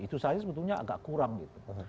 itu saja sebetulnya agak kurang gitu